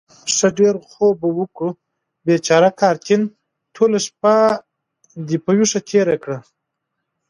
ښه ډېر خوب به وکړو. بېچاره کاترین، ټوله شپه دې په وېښو تېره کړه.